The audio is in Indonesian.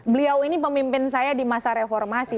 beliau ini pemimpin saya di masa reformasi